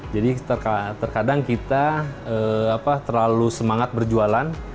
jadi terkadang kita terlalu semangat berjualan